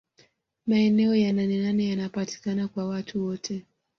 maeneo ya nanenane yanapatikana kwa watu wote